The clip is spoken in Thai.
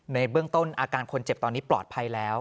ในเบื้องต้นอาการคนเจ็บตอนนี้ปลอดภัยแล้ว